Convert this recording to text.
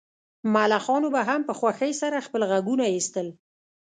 ملخانو به هم په خوښۍ سره خپل غږونه ایستل